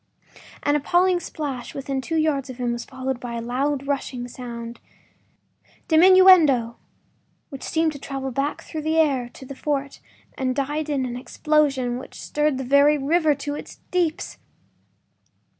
” An appalling splash within two yards of him was followed by a loud, rushing sound, DIMINUENDO, which seemed to travel back through the air to the fort and died in an explosion which stirred the very river to its deeps!